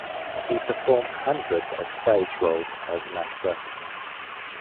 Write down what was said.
He performed hundreds of stage roles as an actor.